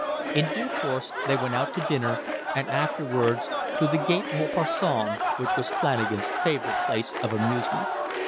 In due course they went out to dinner and afterwards to the Gaite Montparnasse, which was Flanagan's favourite place of amusement.